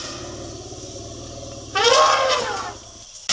ติดต่อไปแล้ว